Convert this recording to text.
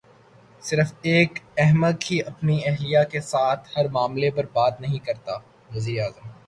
صرف ایک احمق ہی اپنی اہلیہ کے ساتھ ہر معاملے پر بات نہیں کرتا وزیراعظم